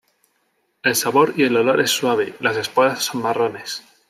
El sabor y el olor es suave, las esporas son marrones.